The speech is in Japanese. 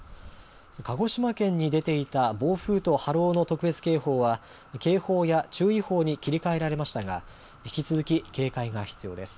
鹿児島県に出ていた暴風と波浪の特別警報は警報や注意報に切り替えられましたが引き続き警戒が必要です。